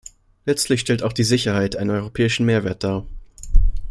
Letztlich stellt auch die Sicherheit einen europäischen Mehrwert dar.